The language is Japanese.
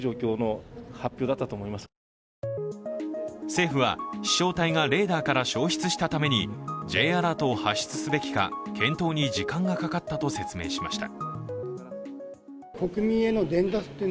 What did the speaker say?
政府は飛しょう体がレーダーから消失したためにＪアラートを発出すべきか検討に時間がかかったと説明しました。